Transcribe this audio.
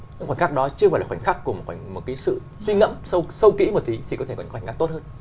cái khoảnh khắc đó chứ không phải là khoảnh khắc của một cái sự suy ngẫm sâu kỹ một tí thì có thể có những khoảnh khắc tốt hơn